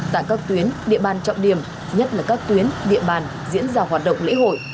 tại các tuyến địa bàn trọng điểm nhất là các tuyến địa bàn diễn ra hoạt động lễ hội